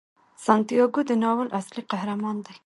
سانتیاګو د ناول اصلي قهرمان دی.